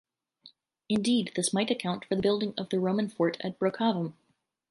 Indeed, this might account for the building of the Roman fort at Brocavum.